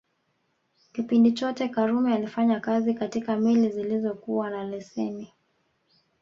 Kipindi chote Karume alifanya kazi katika meli zilizokuwa na leseni